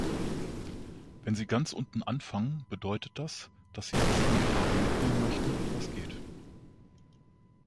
Wenn Sie ganz unten anfangen, bedeutet das, dass Sie alles an Erfahrung mitnehmen möchten, was geht.